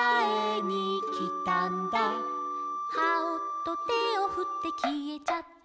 「『ハオ！』とてをふってきえちゃった」